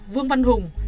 vương văn hùng